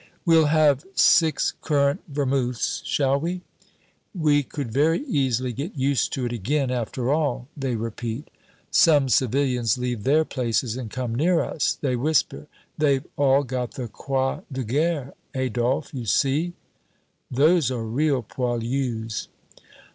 "We'll have six currant vermouths, shall we?" "We could very easily get used to it again, after all," they repeat. Some civilians leave their places and come near us. They whisper, "They've all got the Croix de Guerre, Adolphe, you see " "Those are real poilus!"